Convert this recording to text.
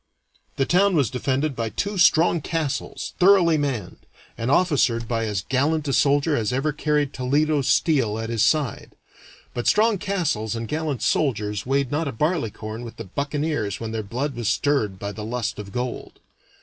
The town was defended by two strong castles thoroughly manned, and officered by as gallant a soldier as ever carried Toledo steel at his side. But strong castles and gallant soldiers weighed not a barleycorn with the buccaneers when their blood was stirred by the lust of gold.